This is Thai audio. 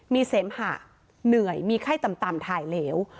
มีเสมหะเหนื่อยมีไข้ต่ำถ่ายเหลว